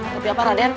tapi apa raden